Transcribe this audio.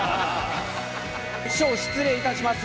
師匠失礼いたします。